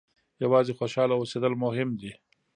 یوازې خوشاله اوسېدل مهم دي.